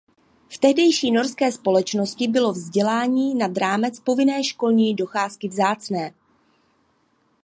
V tehdejší norské společnosti bylo vzdělání nad rámec povinné školní docházky vzácné.